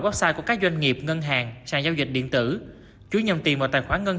website của các doanh nghiệp ngân hàng sang giao dịch điện tử chuyến nhầm tiền vào tài khoản ngân